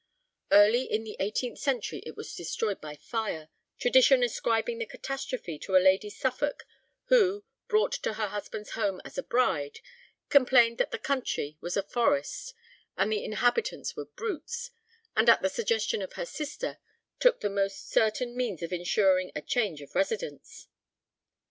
Early in the eighteenth century it was destroyed by fire, tradition ascribing the catastrophe to a Lady Suffolk who, brought to her husband's home as a bride, complained that the country was a forest and the inhabitants were brutes, and, at the suggestion of her sister, took the most certain means of ensuring a change of residence.